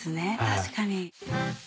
確かに。